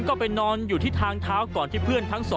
ก็ไปนอนอยู่ที่ทางเท้าก่อนที่เพื่อนทั้ง๒